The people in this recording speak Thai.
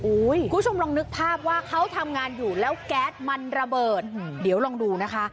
คุณผู้ชมลองนึกภาพว่าเขาทำงานอยู่แล้วแก๊สมันระเบิดเดี๋ยวลองดูนะคะ